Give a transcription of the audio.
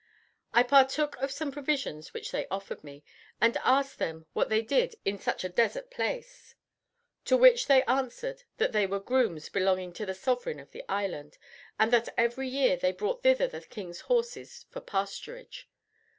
I partook of some provisions which they offered me, and asked them what they did in such a desert place; to which they answered that they were grooms belonging to the sovereign of the island, and that every year they brought thither the king's horses for pasturage.